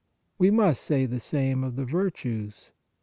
We must say the same of the vir tues.